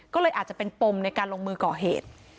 ก็เลยอาจจะเป็นปมในการลงมือก่อเหตุ